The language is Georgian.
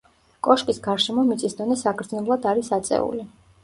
კოშკის გარშემო მიწის დონე საგრძნობლად არის აწეული.